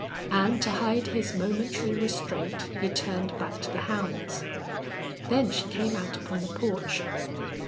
And to hide his momentary restraint he turned back to the hounds. Then she came out upon the porch.